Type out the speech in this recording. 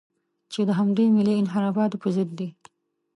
چې د همدې ملي انحرافاتو په ضد دي.